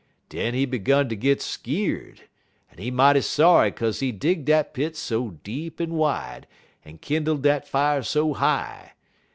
Den he 'gun ter git skeered, en he mighty sorry 'kaze he dig dat pit so deep en wide, en kindle dat fier so high.